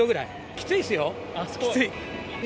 きついっすよ、きつい。